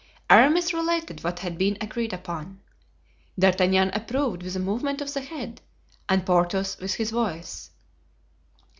Aramis related what had been agreed upon. D'Artagnan approved with a movement of the head and Porthos with his voice.